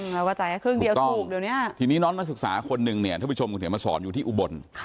เราก็จ่ายให้ครึ่งเดียวถูกเดี๋ยวนี้ทีนี้น้องนักศึกษาคนนึงเนี่ยท่านผู้ชมคุณเขียนมาสอนอยู่ที่อุบล